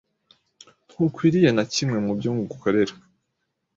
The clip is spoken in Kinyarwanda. Ntukwiriye na kimwe mubyo ngukorera.